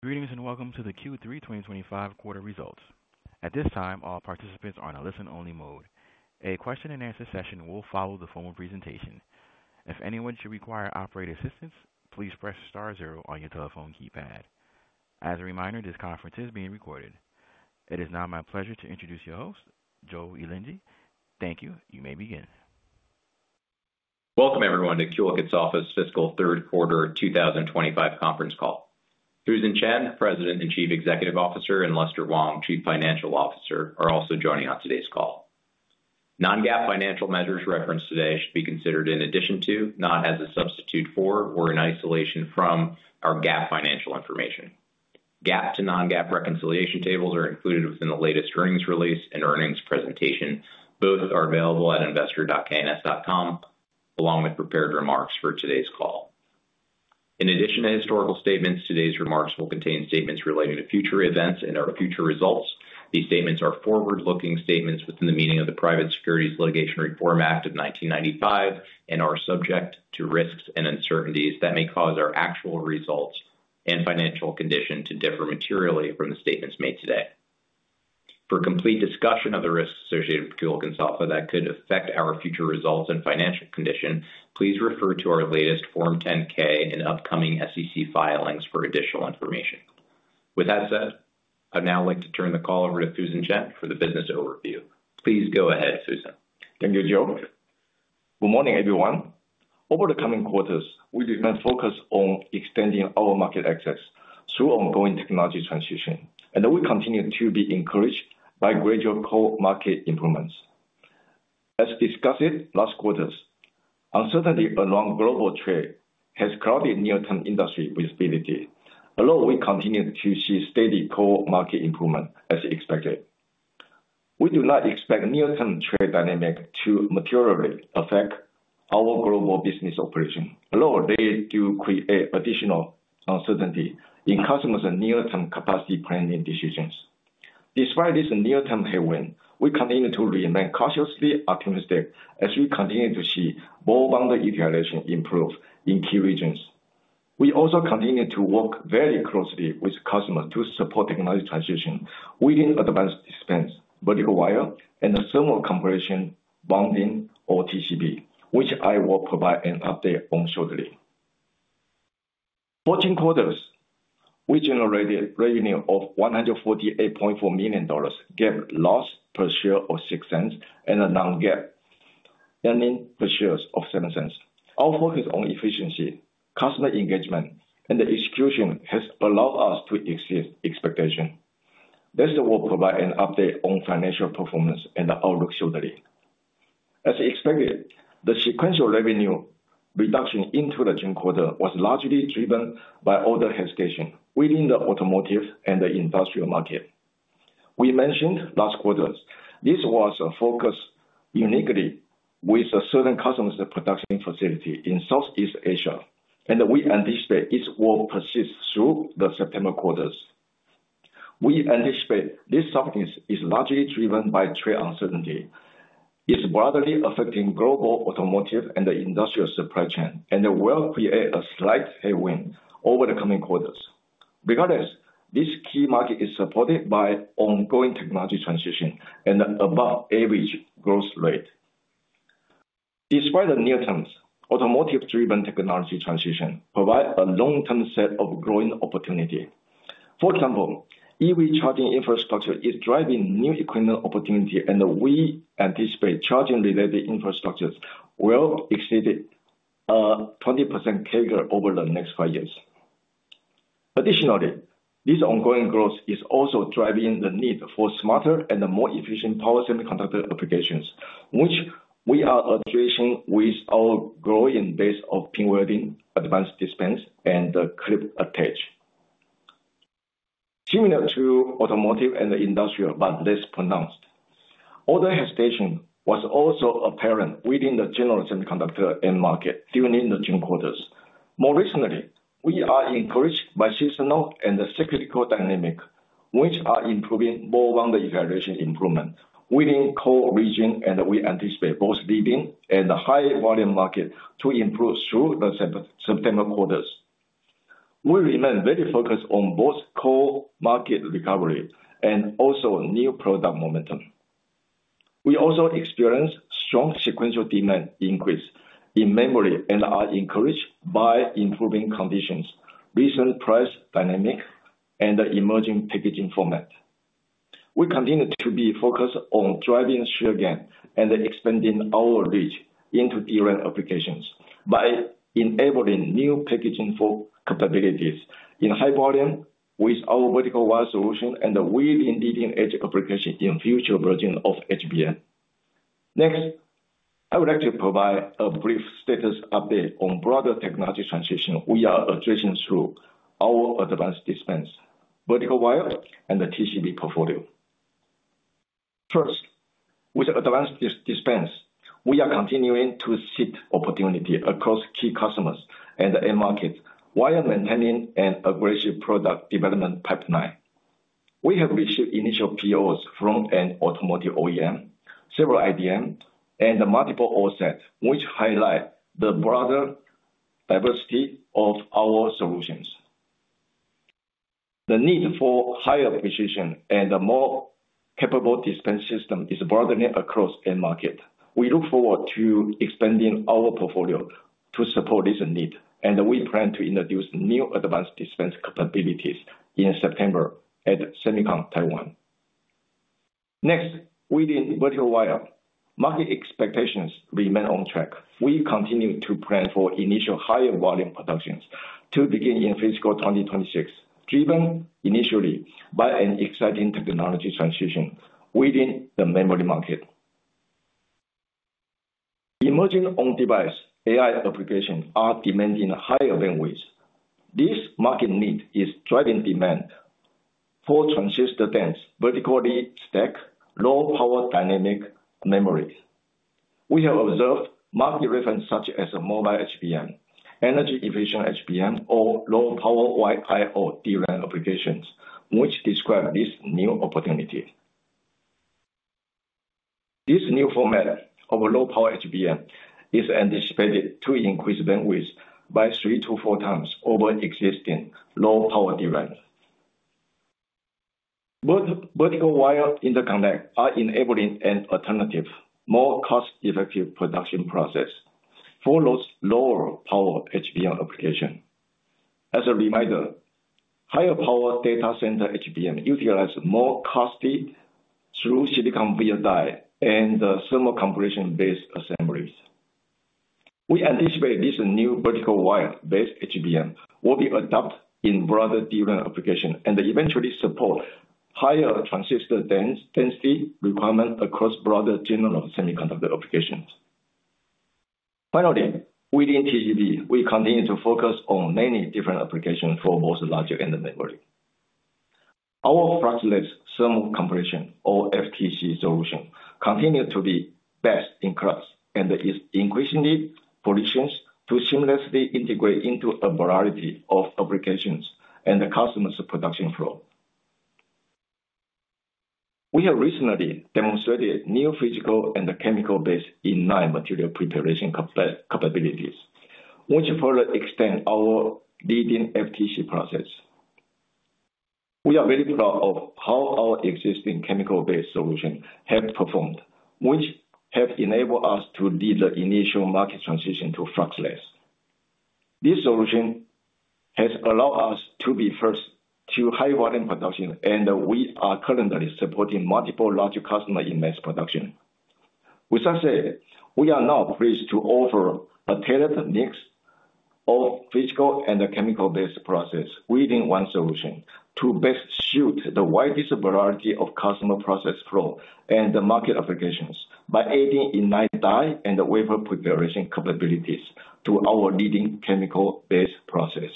Greetings and welcome to the Q3 2025 quarter results. At this time, all participants are in a listen-only mode. A question and answer session will follow the formal presentation. If anyone should require operator assistance, please press star zero on your telephone keypad. As a reminder, this conference is being recorded. It is now my pleasure to introduce your host, Joe Elgindy. Thank you. You may begin. Welcome everyone to Kulicke and Soffa Fiscal Third Quarter 2025 Conference Call. Fusen Chen, President and Chief Executive Officer, and Lester Wong, Chief Financial Officer, are also joining on today's call. Non-GAAP financial measures referenced today should be considered in addition to, not as a substitute for, or in isolation from our GAAP financial information. GAAP to non-GAAP reconciliation tables are included within the latest earnings release and earnings presentation. Both are available at investor.kns.com, along with prepared remarks for today's call. In addition to historical statements, today's remarks will contain statements relating to future events and our future results. These statements are forward-looking statements within the meaning of the Private Securities Litigation Reform Act of 1995 and are subject to risks and uncertainties that may cause our actual results and financial condition to differ materially from the statements made today. For a complete discussion of the risks associated with Kulicke and Soffa that could affect our future results and financial condition, please refer to our latest Form 10-K and upcoming SEC filings for additional information. With that said, I'd now like to turn the call over to Fusen Chen for the business overview. Please go ahead, Fusen. Thank you, Joe. Good morning, everyone. Over the coming quarters, we demand focus on extending our market access through ongoing technology transition, and we continue to be encouraged by gradual core market improvements. As discussed last quarter, uncertainty around global trade has clouded near-term industry visibility, although we continue to see steady core market improvement as expected. We do not expect near-term trade dynamics to materially affect our global business operations, although they do create additional uncertainty in customers' near-term capacity planning decisions. Despite this near-term headwind, we continue to remain cautiously optimistic as we continue to see ball bonder utilization improve in key regions. We also continue to work very closely with customers to support technology transition, including advanced dispense, vertical wire, and thermal compression bonding, or TCB, which I will provide an update on shortly. For Q4, we generated revenue of $148.4 million, GAAP loss per share of $0.06, and a non-GAAP earnings per share of $0.07. Our focus on efficiency, customer engagement, and execution has allowed us to exceed expectations. Next, I will provide an update on financial performance and the outlook shortly. As expected, the sequential revenue reduction into the June quarter was largely driven by order hesitation within the automotive and the industrial market. We mentioned last quarter this was focused uniquely with certain customers' production facilities in Southeast Asia, and we anticipate this will persist through the September quarters. We anticipate this softness is largely driven by trade uncertainty. It's broadly affecting global automotive and the industrial supply chain, and it will create a slight headwind over the coming quarters. Regardless, this key market is supported by ongoing technology transition and above-average growth rate. Despite the near-term, automotive-driven technology transition provides a long-term set of growing opportunities. For example, EV charging infrastructure is driving new equipment opportunities, and we anticipate charging-related infrastructure will exceed a 20% CAGR over the next five years. Additionally, this ongoing growth is also driving the need for smarter and more efficient power semiconductor applications, which we are addressing with our growing base of pinwelder, advanced dispense, and clip attach. Similar to automotive and the industrial, but less pronounced, order hesitation was also apparent within the general semiconductor end market during the June quarters. More recently, we are encouraged by seasonal and cyclical dynamics, which are improving ball bonder evaluation improvements within core regions, and we anticipate both leading and high-volume markets to improve through the September quarters. We remain very focused on both core market recovery and also new product momentum. We also experienced strong sequential demand increases in memory and are encouraged by improving conditions, recent price dynamics, and the emerging packaging formats. We continue to be focused on driving share gain and expanding our reach into DRAM applications by enabling new packaging for capabilities in high volume with our vertical wire solution and within leading edge applications in future versions of HBM. Next, I would like to provide a brief status update on broader technology transitions we are addressing through our advanced dispense, vertical wire, and the TCB portfolio. First, with advanced dispense, we are continuing to seek opportunities across key customers and end markets while maintaining an aggressive product development pipeline. We have received initial POs from an automotive OEM, several IDMs, and multiple OSATs, which highlight the broader diversity of our solutions. The need for higher precision and a more capable dispense system is broadening across end markets. We look forward to expanding our portfolio to support this need, and we plan to introduce new advanced dispense capabilities in September at Semicon Taiwan. Next, within vertical wire, market expectations remain on track. We continue to plan for initial high-volume productions to begin in fiscal 2026, driven initially by an exciting technology transition within the memory market. Emerging on-device AI applications are demanding higher bandwidth. This market need is driving demand for transistor-dense vertically stacked, low-power dynamic memories. We have observed market references such as mobile HBM, energy-efficient HBM, or low-power I/O DRAM applications, which describe this new opportunity. This new format of a low-power HBM is anticipated to increase bandwidth by three to four times over existing low-power DRAMs. Vertical wire interconnects are enabling an alternative, more cost-effective production process for those lower-power HBM applications. As a reminder, higher-power data center HBM utilizes more costly through silicon via diodes and thermal compression-based assemblies. We anticipate this new vertical wire-based HBM will be adopted in broader DRAM applications and eventually support higher transistor density requirements across broader general semiconductor applications. Finally, within TCB, we continue to focus on many different applications for both the logic and the memory. Our FluxLabs thermal compression, or FTC solution, continues to be best in class and is increasingly positioned to seamlessly integrate into a variety of applications and customers' production flows. We have recently demonstrated new physical and chemical-based inline material preparation capabilities, which further extend our leading FTC process. We are very proud of how our existing chemical-based solutions have performed, which have enabled us to lead the initial market transition to FluxLabs. This solution has allowed us to be first to high-volume production, and we are currently supporting multiple large customers in mass production. With that said, we are now pleased to offer a tailored mix of physical and chemical-based processes within one solution to best suit the widest variety of customer process flows and market applications by adding inline die and wafer preparation capabilities to our leading chemical-based process.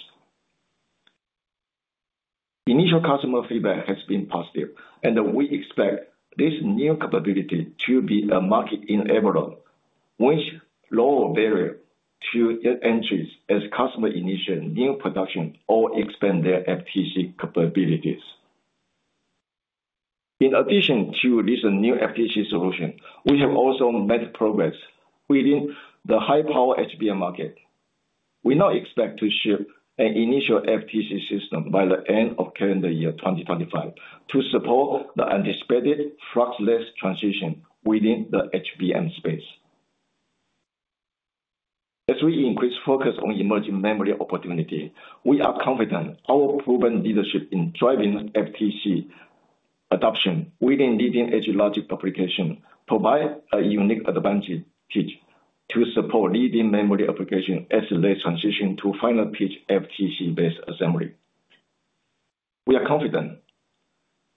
Initial customer feedback has been positive, and we expect this new capability to be a market enabler, which lowers barriers to entry as customers initiate new production or expand their FTC capabilities. In addition to this new FTC solution, we have also made progress within the high-power HBM market. We now expect to ship an initial FTC system by the end of calendar year 2025 to support the anticipated FluxLabs transition within the HBM space. As we increase focus on emerging memory opportunities, we are confident our proven leadership in driving FTC adoption within leading edge logic applications provides a unique advantage to support leading memory applications as they transition to fine pitch FTC-based assemblies. We are confident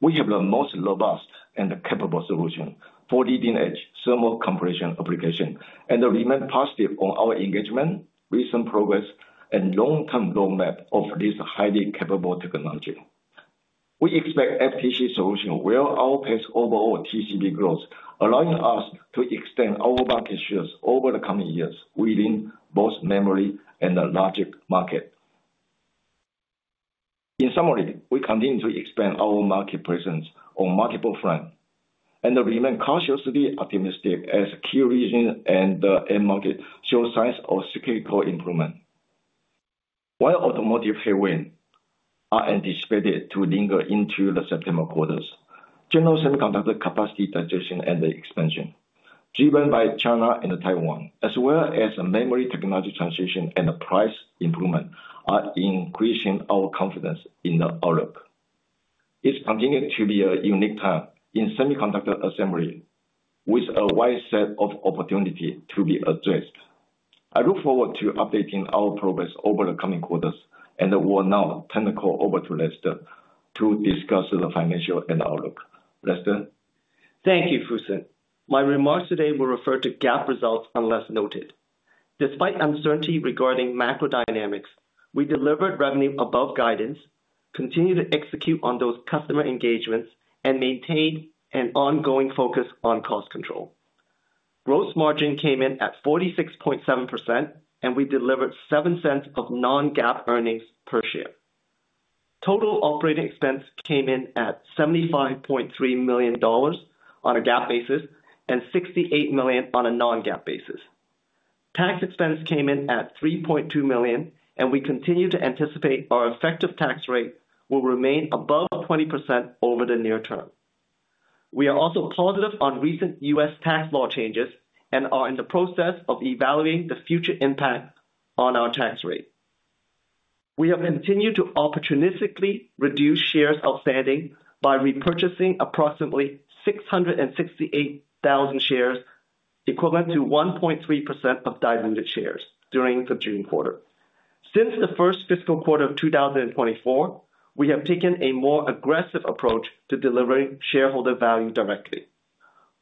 we have the most robust and capable solution for leading edge thermal compression applications and remain positive on our engagement, recent progress, and long-term roadmap of this highly capable technology. We expect FTC solutions will outpace overall TCB growth, allowing us to extend our market shares over the coming years within both the memory and the logic markets. In summary, we continue to expand our market presence on multiple fronts and remain cautiously optimistic as key regions and the end market show signs of cyclical improvement. While automotive headwinds are anticipated to linger into the September quarters, general semiconductor capacity digestion and expansion, driven by China and Taiwan, as well as memory technology transition and price improvements, are increasing our confidence in the outlook. It's continuing to be a unique time in semiconductor assembly with a wide set of opportunities to be addressed. I look forward to updating our progress over the coming quarters, and I will now turn the call over to Lester to discuss the financial and outlook. Lester? Thank you, Fusen. My remarks today will refer to GAAP results unless noted. Despite uncertainty regarding macro dynamics, we delivered revenue above guidance, continued to execute on those customer engagements, and maintained an ongoing focus on cost control. Gross margin came in at 46.7%, and we delivered $0.07 of non-GAAP earnings per share. Total operating expense came in at $75.3 million on a GAAP basis and $68 million on a non-GAAP basis. Tax expense came in at $3.2 million, and we continue to anticipate our effective tax rate will remain above 20% over the near term. We are also positive on recent U.S. tax law changes and are in the process of evaluating the future impact on our tax rate. We have continued to opportunistically reduce shares outstanding by repurchasing approximately 668,000 shares, equivalent to 1.3% of diluted shares during the June quarter. Since the first fiscal quarter of 2024, we have taken a more aggressive approach to delivering shareholder value directly.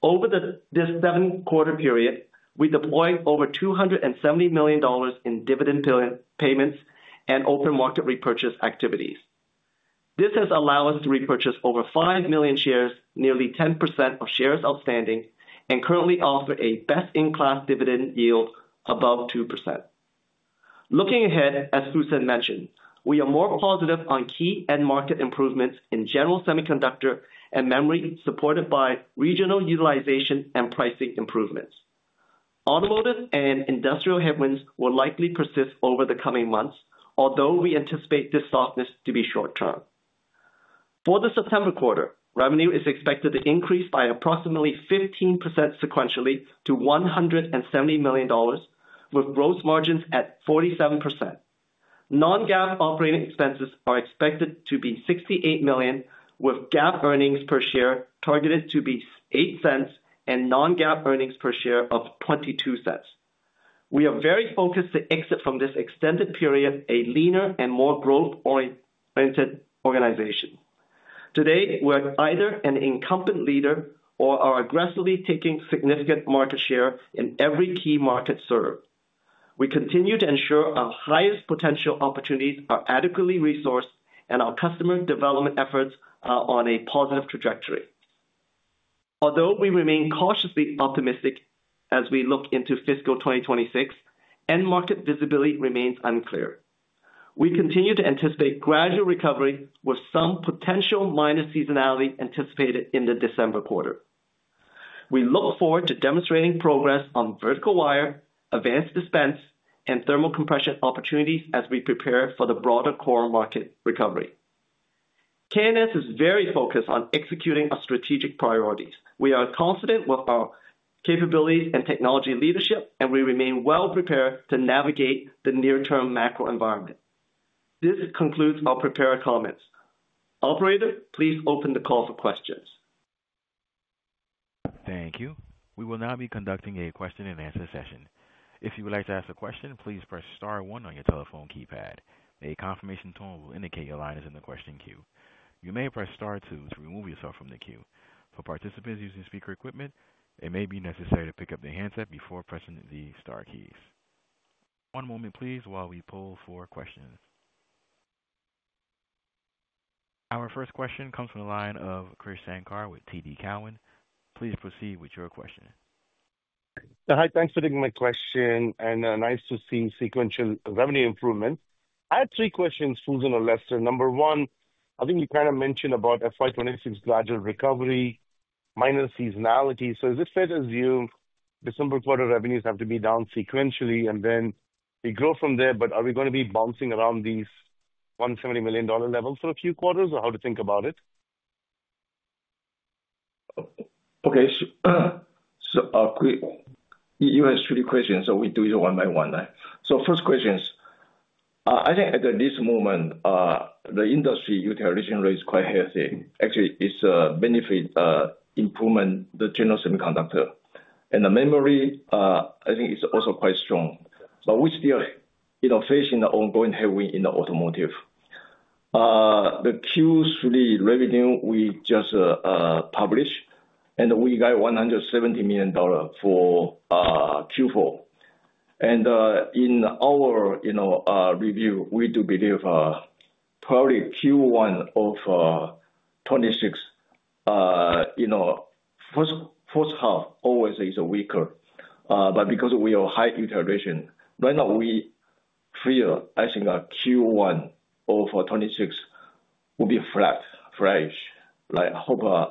Over this seven-quarter period, we deployed over $270 million in dividend payments and open market repurchase activities. This has allowed us to repurchase over 5 million shares, nearly 10% of shares outstanding, and currently offers a best-in-class dividend yield above 2%. Looking ahead, as Fusen mentioned, we are more positive on key end market improvements in general semiconductor and memory supported by regional utilization and pricing improvements. Automotive and industrial headwinds will likely persist over the coming months, although we anticipate this softness to be short-term. For the September quarter, revenue is expected to increase by approximately 15% sequentially to $170 million, with gross margins at 47%. Non-GAAP operating expenses are expected to be $68 million, with GAAP earnings per share targeted to be $0.08 and non-GAAP earnings per share of $0.22. We are very focused to exit from this extended period a leaner and more growth-oriented organization. Today, we're either an incumbent leader or are aggressively taking significant market share in every key market served. We continue to ensure our highest potential opportunities are adequately resourced, and our customer development efforts are on a positive trajectory. Although we remain cautiously optimistic as we look into fiscal 2026, end market visibility remains unclear. We continue to anticipate gradual recovery, with some potential minor seasonality anticipated in the December quarter. We look forward to demonstrating progress on vertical wire, advanced dispense, and thermal compression opportunities as we prepare for the broader core market recovery. K&S is very focused on executing our strategic priorities. We are confident with our capabilities and technology leadership, and we remain well prepared to navigate the near-term macro environment. This concludes our prepared comments. Operator, please open the call for questions. Thank you. We will now be conducting a question and answer session. If you would like to ask a question, please press star one on your telephone keypad. A confirmation tone will indicate your line is in the question queue. You may press star two to remove yourself from the queue. For participants using speaker equipment, it may be necessary to pick up the handset before pressing the star keys. One moment, please, while we pull for questions. Our first question comes from the line of Krish Sankar with TD Cowen. Please proceed with your question. Hi, thanks for taking my question, and nice to see sequential revenue improvements. I have three questions, Fusen or Lester. Number one, I think you kind of mentioned about FY2026 gradual recovery, minor seasonality. Is it fair to assume December quarter revenues have to be down sequentially and then we grow from there, but are we going to be bouncing around these $170 million levels for a few quarters or how to think about it? Okay, you asked three questions, so we do it one by one, right? First question is, I think at this moment, the industry utilization rate is quite healthy. Actually, it's a benefit improvement, the general semiconductor. The memory, I think, is also quite strong. We're still facing the ongoing headwind in the automotive. The Q3 revenue we just published, and we got $170 million for Q4. In our review, we do believe probably Q1 of 2026, first half always is weaker. Because we are high utilization, right now we feel, I think, Q1 of 2026 will be flat, flat-ish. I hope I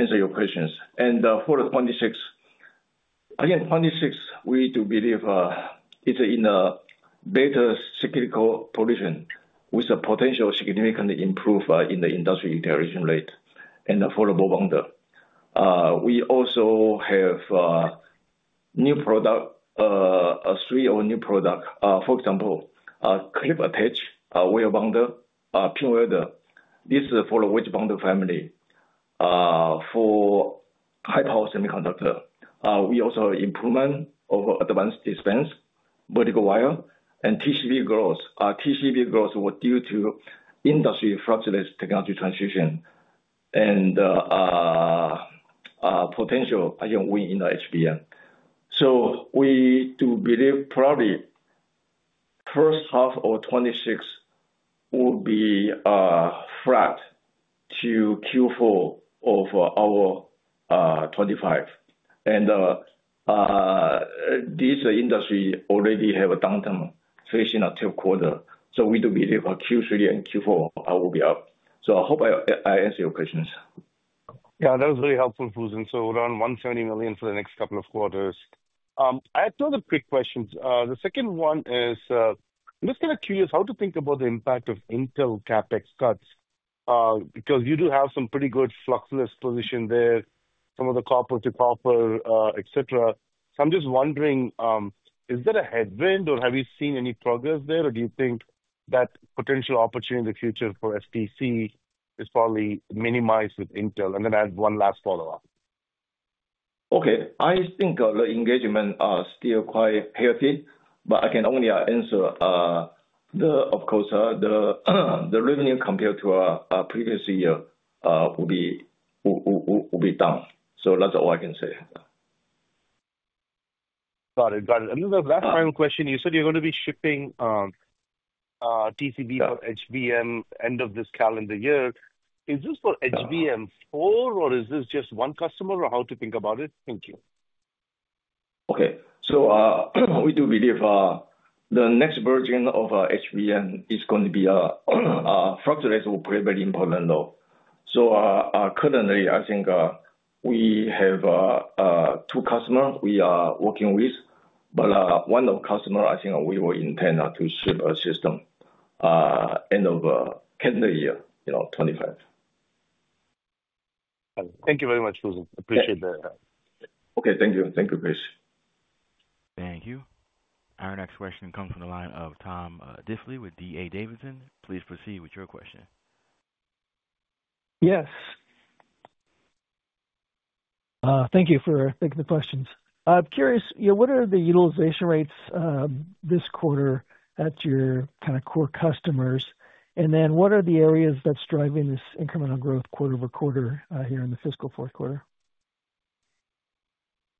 answer your questions. For the 2026, again, 2026, we do believe it's in a better cyclical position with a potential significant improvement in the industry utilization rate and for the ball bonder. We also have new products, three new products. For example, clip attach, wire bonder, pinwelder. This is for the wedge bonder family. For high-power semiconductor, we also have improvements of advanced dispense, vertical wire, and TCB growth. TCB growth was due to industry FluxLabs technology transition and potential again win in the HBM. We do believe probably the first half of 2026 will be flat to Q4 of our 2025. This industry already has a downturn facing the third quarter. We do believe Q3 and Q4 will be up. I hope I answered your questions. Yeah, that was really helpful, Fusen. Around $170 million for the next couple of quarters. I have two other quick questions. The second one is, I'm just kind of curious how to think about the impact of Intel CapEx cuts, because you do have some pretty good FluxLabs position there, some of the copper-to-copper, et cetera. I'm just wondering, is that a headwind or have you seen any progress there, or do you think that potential opportunity in the future for FTC is probably minimized with Intel? I have one last follow-up. I think the engagements are still quite healthy, but I can only answer the, of course, the revenue compared to our previous year will be down. That's all I can say. Got it, got it. The last final question, you said you're going to be shipping TCB for HBM end of this calendar year. Is this for HBM4 or is this just one customer or how to think about it? Okay, we do believe the next version of HBM is going to be FluxLabs will play a very important role. Currently, I think we have two customers we are working with, but one of the customers I think we will intend to ship a system end of calendar year 2025. Thank you very much, Fusen. Appreciate that. Okay, thank you. Thank you, Chris. Thank you. Our next question comes from the line of Tom Diffely with D.A. Davidson. Please proceed with your question. Thank you for taking the questions. I'm curious, you know, what are the utilization rates this quarter at your kind of core customers? What are the areas that's driving this incremental growth quarter over quarter here in the fiscal fourth quarter?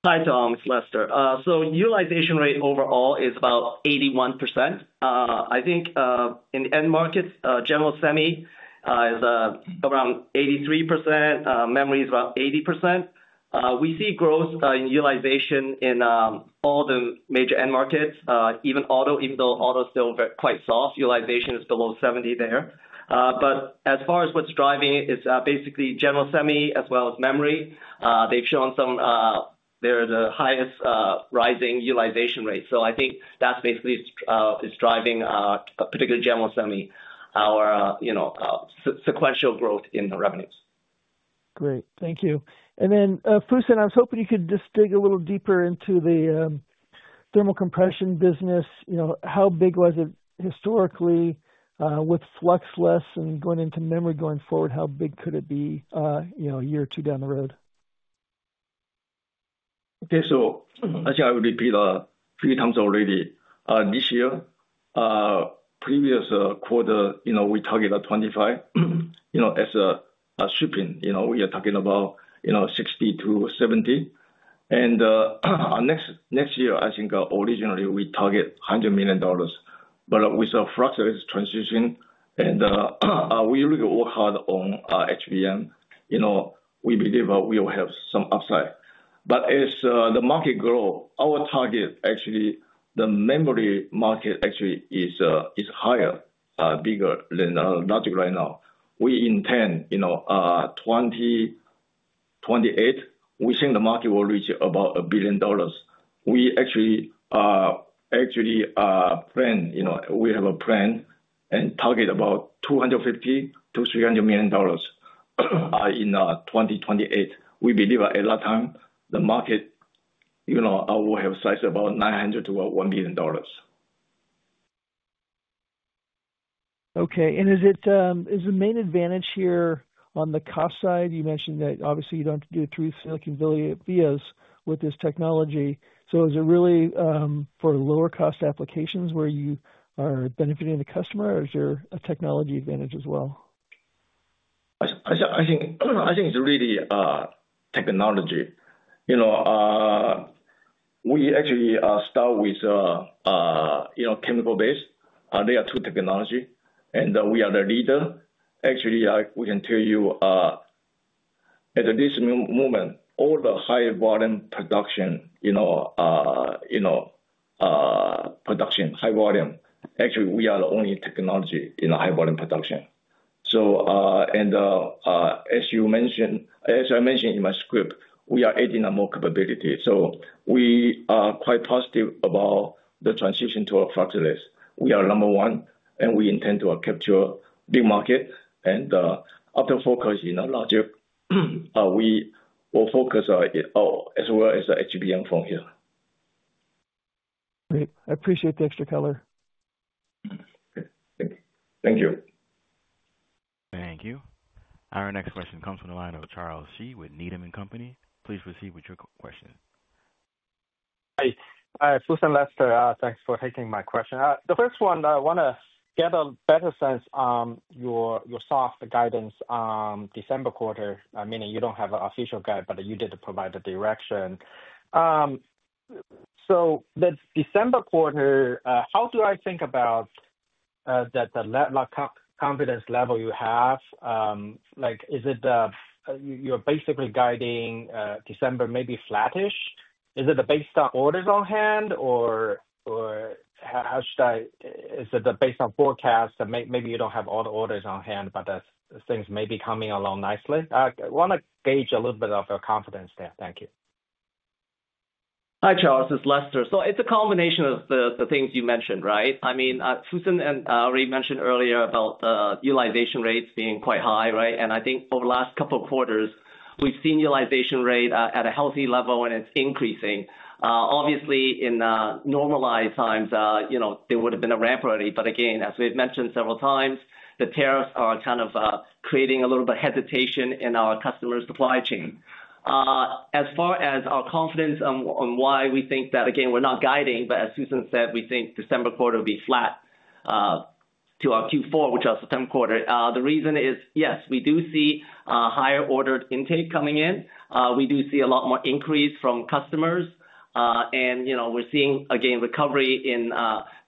Hi, Tom. It's Lester. Utilization rate overall is about 81%. I think in the end markets, general semi is around 83%. Memory is about 80%. We see growth in utilization in all the major end markets, even auto, even though auto is still quite soft. Utilization is below 70% there. As far as what's driving it, it's basically general semi as well as memory. They've shown some of their highest rising utilization rates. I think that's basically what's driving particularly general semi, our sequential growth in the revenues. Great. Thank you. Fusen, I was hoping you could just dig a little deeper into the thermal compression business. You know, how big was it historically with FluxLabs and going into memory going forward? How big could it be, you know, a year or two down the road? Okay, I will repeat a few times already. This year, previous quarter, you know, we targeted 25, you know, as a shipping. You know, we are talking about, you know, 60 to 70. Next year, I think originally we target $100 million. With the FluxLabs transition, and we really work hard on HBM, you know, we believe we will have some upside. As the market grows, our target actually, the memory market actually is higher, bigger than logic right now. We intend, 2028, we think the market will reach about $1 billion. We actually plan, we have a plan and target about $250 to $300 million in 2028. We believe at that time the market will have sized about $900 to $1 billion. Okay. Is the main advantage here on the cost side? You mentioned that obviously you don't do three silicon vias with this technology. Is it really for lower cost applications where you are benefiting the customer, or is there a technology advantage as well? I think it's really technology. We actually start with chemical-based. There are two technologies, and we are the leader. Actually, we can tell you at this moment, all the high-volume production, high volume, actually, we are the only technology in the high-volume production. As you mentioned, as I mentioned in my script, we are adding more capabilities. We are quite positive about the transition to FluxLabs. We are number one, and we intend to capture big markets. After focusing on logic, we will focus on as well as HBM from here. Great. I appreciate the extra color. Thank you. Thank you. Our next question comes from the line of Charles Shi with Needham & Company. Please proceed with your question. Hi, Fusen and Lester. Thanks for taking my question. The first one, I want to get a better sense on your soft guidance on December quarter, meaning you don't have an official guide, but you did provide the direction. This December quarter, how do I think about the confidence level you have? Is it that you're basically guiding December maybe flattish? Is it based on orders on hand, or is it based on forecasts that maybe you don't have all the orders on hand, but things may be coming along nicely? I want to gauge a little bit of your confidence there. Thank you. Hi, Charles. It's Lester. It's a combination of the things you mentioned, right? I mean, Fusen already mentioned earlier about utilization rates being quite high, right? I think over the last couple of quarters, we've seen utilization rates at a healthy level, and it's increasing. Obviously, in normalized times, there would have been a ramp ready. As we've mentioned several times, the tariffs are kind of creating a little bit of hesitation in our customer supply chain. As far as our confidence on why we think that, again, we're not guiding, but as Fusen said, we think December quarter will be flat to our Q4, which is our September quarter. The reason is, yes, we do see higher order intake coming in. We do see a lot more increase from customers. We're seeing, again, recovery in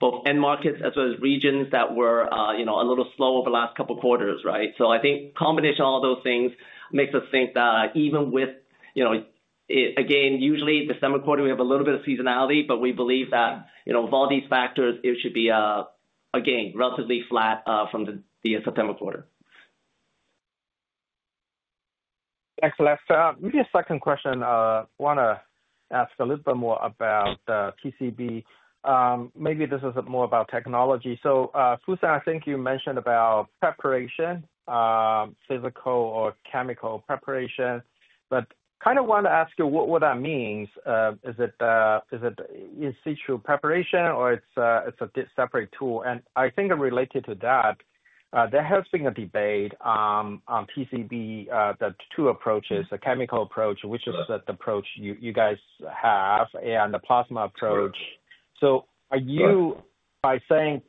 both end markets as well as regions that were a little slow over the last couple of quarters, right? I think a combination of all those things makes us think that even with, usually in December quarter, we have a little bit of seasonality, but we believe that with all these factors, it should be, again, relatively flat from the September quarter. Thanks, Lester. Maybe a second question. I want to ask a little bit more about the TCB. Maybe this is more about technology. Fusen, I think you mentioned about preparation, physical or chemical preparation, but kind of wanted to ask you what that means. Is it in situ preparation, or is it a separate tool? I think related to that, there has been a debate on TCB, the two approaches, the chemical approach, which is the approach you guys have, and the plasma approach. Are you, by saying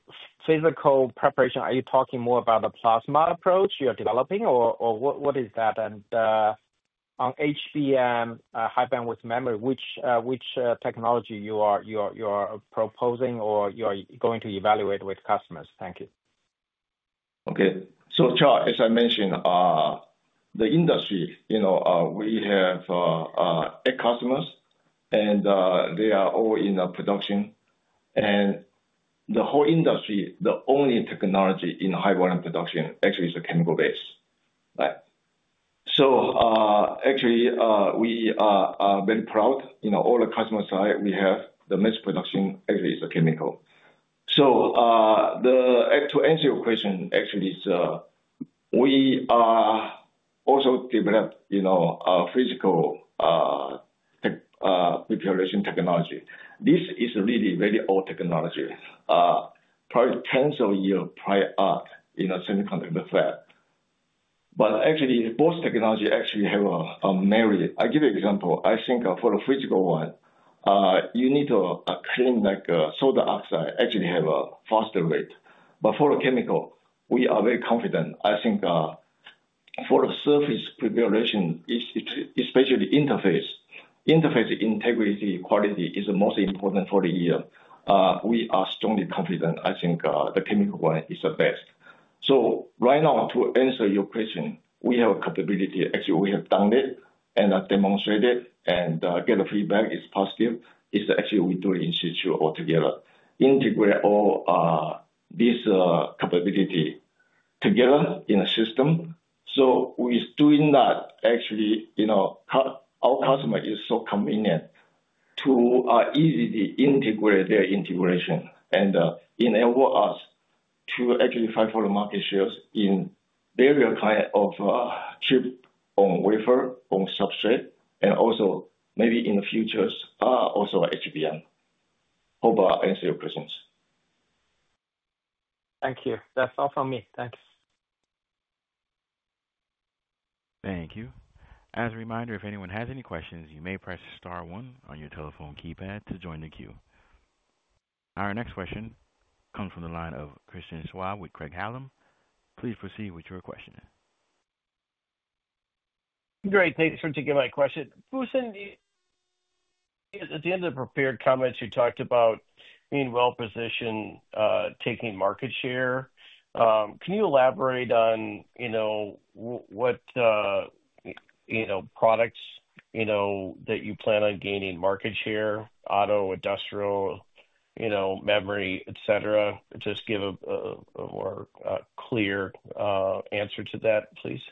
physical preparation, talking more about the plasma approach you're developing, or what is that? On HBM, high bandwidth memory, which technology you are proposing or you are going to evaluate with customers? Thank you. Okay. As I mentioned, the industry, you know, we have eight customers, and they are all in production. The whole industry, the only technology in high volume production actually is chemical-based, right? We are very proud. All the customers we have, the most production actually is chemical. The end-to-end situation actually is we are also developing physical preparation technology. This is really very old technology, probably tens of years prior in a semiconductor fab. Actually, both technologies have a marry. I'll give you an example. I think for the physical one, you need to clean like soda oxide, actually have a faster rate. For the chemical, we are very confident. I think for the surface preparation, especially interface, interface integrity quality is the most important for the year. We are strongly confident. I think the chemical one is the best. Right now, to answer your question, we have a capability. We have done it and demonstrated it and get the feedback. It's positive. We do it in situ all together, integrate all this capability together in a system. We're doing that. Our customer is so convenient to easily integrate their integration and enable us to actually fight for the market shares in various kinds of chips, on wafer, on substrate, and also maybe in the future, also HBM. Hope I answered your questions. Thank you. That's all from me. Thanks. Thank you. As a reminder, if anyone has any questions, you may press star one on your telephone keypad to join the queue. Our next question comes from the line of Christian Schwab with Craig Hallum. Please proceed with your question. Great. Thanks for taking my question. Fusen, at the end of the prepared comments, you talked about being well-positioned, taking market share. Can you elaborate on what products that you plan on gaining market share, auto, industrial, memory, et cetera? Just give a more clear answer to that, please. Okay.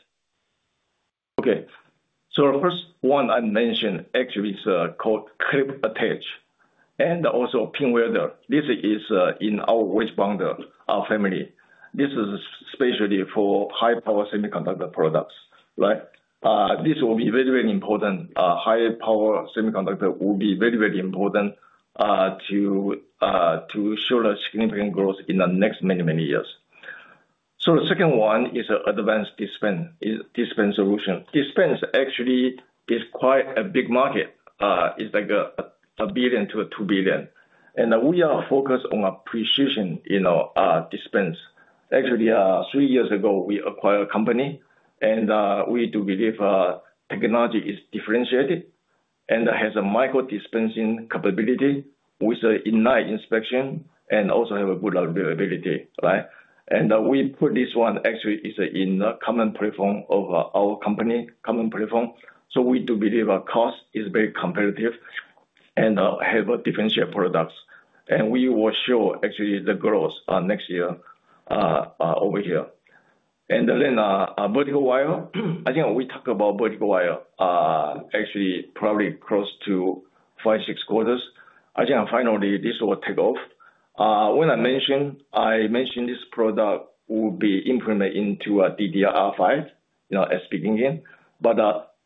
The first one I mentioned actually is called clip attach and also pinwelder. This is in our wedge bonder family. This is especially for high-power semiconductor products, right? This will be very, very important. High-power semiconductor will be very, very important to show significant growth in the next many, many years. The second one is an advanced dispense solution. Dispense actually is quite a big market. It's like $1 billion-$2 billion. We are focused on appreciation, you know, dispense. Actually, three years ago, we acquired a company, and we do believe technology is differentiated and has a micro-dispensing capability with inline inspection and also has a good availability, right? We put this one actually in the common platform of our company, common platform. We do believe our cost is very competitive and have differential products. We will show actually the growth next year over here. Then vertical wire, I think we talked about vertical wire actually probably close to five, six quarters. I think finally this will take off. When I mentioned, I mentioned this product will be implemented into a DDR5, you know, SP game.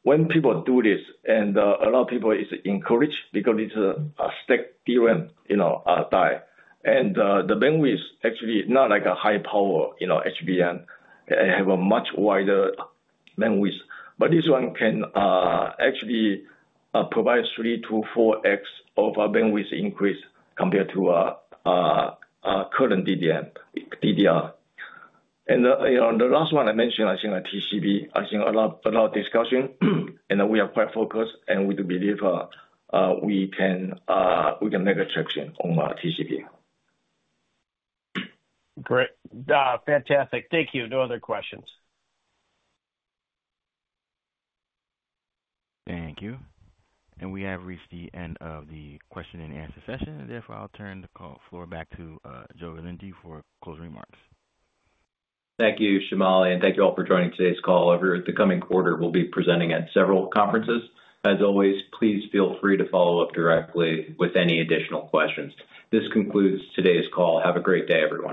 When people do this, a lot of people are encouraged because it's a stacked DRAM die, and the bandwidth is actually not like a high-power, you know, HBM. It has a much wider bandwidth. This one can actually provide 3 to 4x of a bandwidth increase compared to our current DDRs. The last one I mentioned, I think TCB, I think a lot of discussion, and we are quite focused, and we do believe we can make a traction on TCB. Great. Fantastic. Thank you. No other questions. Thank you. We have reached the end of the question and answer session. Therefore, I'll turn the call floor back to Joe Elgindy for closing remarks. Thank you, Shubneesh, and thank you all for joining today's call. Over the coming quarter, we'll be presenting at several conferences. As always, please feel free to follow up directly with any additional questions. This concludes today's call. Have a great day, everyone.